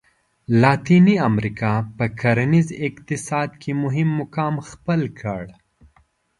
لاتیني امریکا په کرنیز اقتصاد کې مهم مقام خپل کړ.